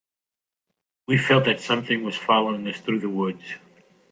We felt that something was following us through the woods.